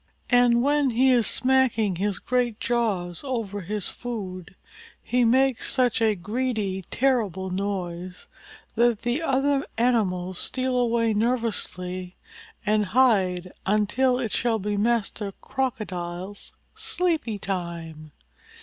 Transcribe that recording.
And when he is smacking his great jaws over his food he makes such a greedy, terrible noise that the other animals steal away nervously and hide until it shall be Master Crocodile's sleepy time.